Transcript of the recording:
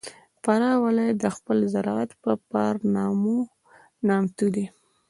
فراه ولایت د خپل زراعت په پار نامتو دی.